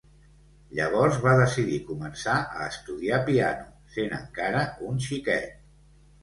Llavors va decidir començar a estudiar piano, sent encara un xiquet.